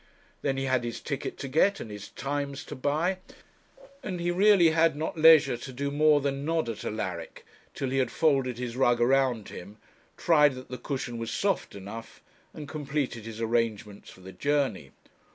Then he had his ticket to get and his Times to buy, and he really had not leisure to do more than nod at Alaric till he had folded his rug around him, tried that the cushion was soft enough, and completed his arrangements for the journey.